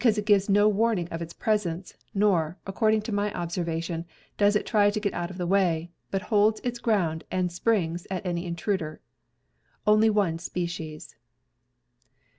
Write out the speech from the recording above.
314 CAMPING AND WOODCRAFT it gives no warning of its presence, nor, according to my ob servation, does it try to get out of the way, but holds its ground and springs at any intruder. Only one species.